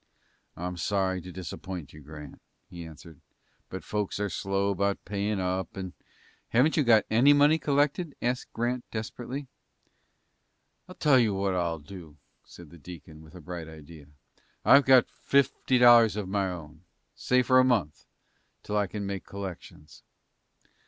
"I'm sorry to disappoint you, Grant," he answered, "but folks are slow about payin' up, and " "Haven't you got any money collected?" asked Grant, desperately. "I'll tell you what I'll do," said the deacon, with a bright idea. "I've got fifty dollars of my own say for a month, till I can make collections."